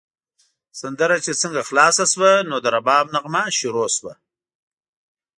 سندره چې څنګه خلاصه شوه، نو د رباب نغمه شروع شوه.